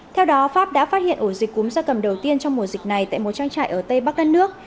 theo đó pháp đã phát hiện ổ dịch cúm gia cầm đầu tiên trong mùa dịch này tại một trang trại ở tây bắc đất nước